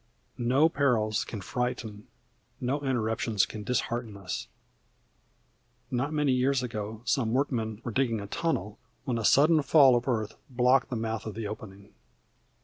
No perils can frighten, no interruptions can dishearten us. Not many years ago some workmen were digging a tunnel, when a sudden fall of earth blocked the mouth of the opening.